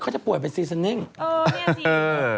จากธนาคารกรุงเทพฯ